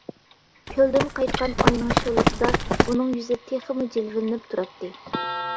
كۆلدىن قايتقان ئاينىڭ شولىسىدا ئۇنىڭ يۈزى تېخىمۇ جىلۋىلىنىپ تۇراتتى.